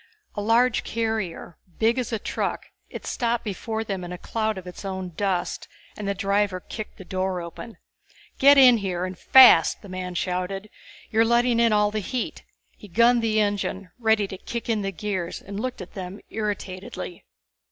A large carrier, big as a truck, it stopped before them in a cloud of its own dust and the driver kicked the door open. "Get in here and fast!" the man shouted. "You're letting in all the heat." He gunned the engine, ready to kick in the gears, and looked at them irritatedly.